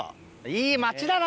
いい町だな！